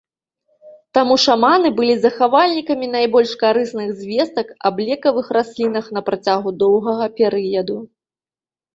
Таму шаманы былі захавальнікамі найбольш карысных звестак аб лекавых раслінах на працягу доўгага перыяду.